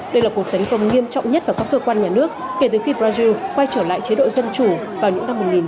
đây là cuộc tấn công nghiêm trọng nhất vào các cơ quan nhà nước kể từ khi brazil quay trở lại chế độ dân chủ vào những năm một nghìn chín trăm bảy mươi